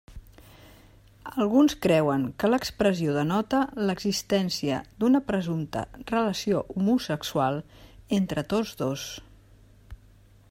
Alguns creuen que l'expressió denota l'existència d'una presumpta relació homosexual entre tots dos.